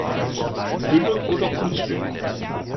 Gülle oder Kunstdünger?